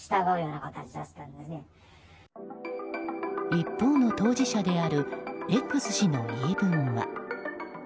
一方の当事者であるＸ氏の言い分は。